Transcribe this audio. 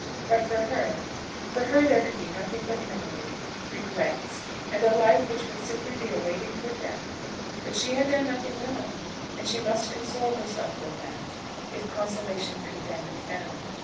But for her, for her there could be nothing but memory, regrets, and a life which would simply be a waiting for death. But she had done nothing wrong, and she must console herself with that, if consolation could then be found.